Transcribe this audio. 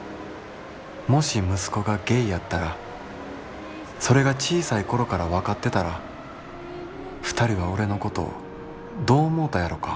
もし息子がゲイやったらそれが小さい頃から分かってたら二人は俺のことどう思うたやろか？」。